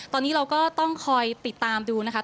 ตอนนี้เราก็ต้องคอยติดตามดูนะคะ